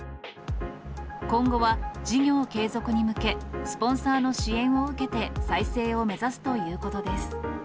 今後は事業継続に向け、スポンサーの支援を受けて再生を目指すということです。